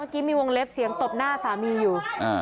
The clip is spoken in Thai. กีมีวงเล็บเสียงตบหน้าสามีอยู่